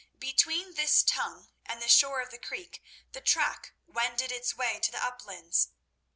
Between this tongue and the shore of the creek the track wended its way to the uplands.